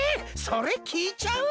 それきいちゃう？